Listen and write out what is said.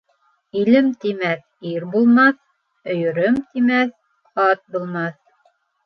«Илем» тимәҫ ир булмаҫ, «өйөрөм» тимәҫ ат булмаҫ.